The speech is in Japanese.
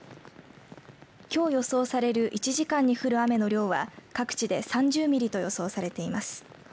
きょう予想される１時間に降る雨の量は各地で３０ミリと予想されています。